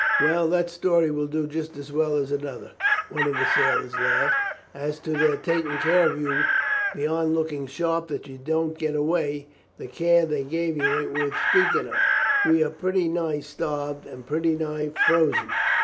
"Well, that story will do just as well as another," one of the sailors laughed. "As to their taking care of you, beyond looking sharp that you don't get away, the care they give you ain't worth speaking of. We are pretty nigh starved, and pretty nigh frozen.